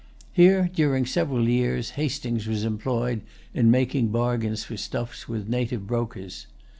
Here, during several years, Hastings was employed in making bargains for stuffs with native brokers.